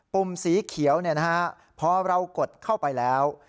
ุ่มสีเขียวพอเรากดเข้าไปแล้ว